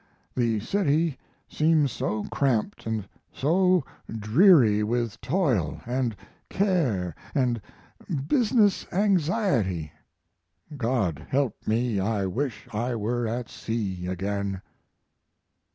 The city seems so cramped and so dreary with toil and care and business anxiety. God help me, I wish I were at sea again!